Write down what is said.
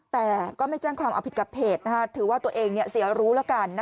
แต่ก็ไม่แจ้งความเอาผิดกับเพจถือว่าตัวเองเสียรู้แล้วกัน